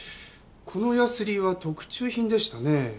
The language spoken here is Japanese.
このヤスリは特注品でしたね。